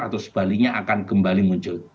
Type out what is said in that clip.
atau sebaliknya akan kembali muncul